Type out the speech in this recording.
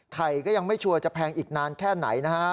ก็ยังไม่ชัวร์จะแพงอีกนานแค่ไหนนะฮะ